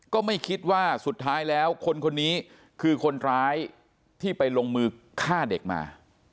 ก็ไม่คิดว่าสุดท้ายแล้วคนคนนี้คือคนร้ายที่ไปลงมือฆ่าเด็กมา